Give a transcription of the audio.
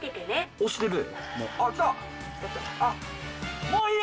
押してるよ。